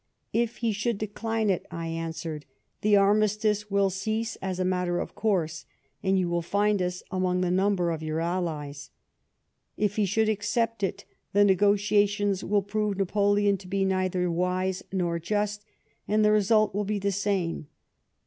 "If he should decline it," I answered, " the armistice will cease as a matter of course, and you will find us among the number of your allies. If he should accept it, the negotiations will prove Napoleon to be neither wise nor just, and the result will be the same.